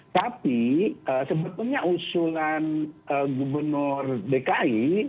tapi sebetulnya usulan gubernur dki